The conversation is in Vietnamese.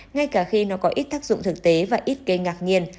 ngay cả khi nó có ít tác dụng thực tế và ít gây ngạc nhiên